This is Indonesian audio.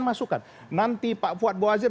masukan nanti pak fuad bawazir